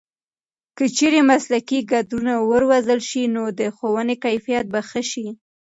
که چېرې مسلکي کدرونه وروزل شي نو د ښوونې کیفیت به ښه شي.